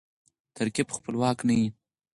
ترکیب خپلواک نه يي.